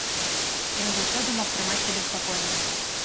Ён заўсёды мог трымаць сябе спакойна.